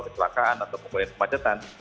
kecelakaan atau kebanyakan pemacetan